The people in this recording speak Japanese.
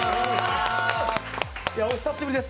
お久しぶりです。